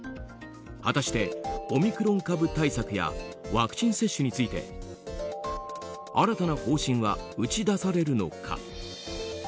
果たして、オミクロン株対策やワクチン接種について新たな方針は打ち出されるのか。